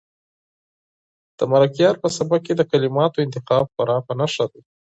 د ملکیار په سبک کې د کلماتو انتخاب خورا په نښه دی.